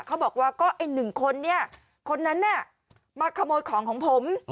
เขาบอกว่าก็ไอ้หนึ่งคนเนี่ยคนนั้นน่ะมาขโมยของของผม